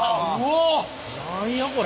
何やこれ。